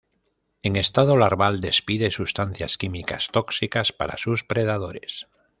En estado larval despide sustancias químicas tóxicas para sus predadores.